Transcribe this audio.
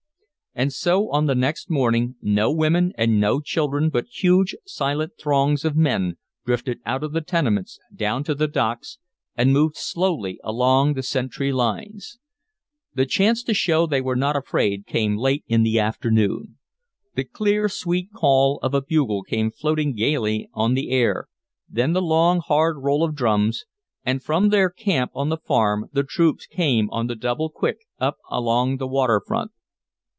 And so on the next morning, no women and no children but huge, silent throngs of men drifted out of the tenements down to the docks and moved slowly along the sentry lines. The chance to show they were not afraid came late in the afternoon. The clear, sweet call of a bugle came floating gaily on the air, then the long, hard roll of drums, and from their camp on the Farm the troops came on the double quick up along the waterfront.